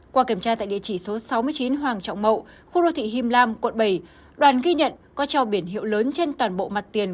qua kiểm tra tại địa chỉ số sáu mươi chín hoàng trọng mậu khu đô thị him lam quận bảy đoàn ghi nhận có cho biển hiệu lớn trên toàn bộ mặt tiền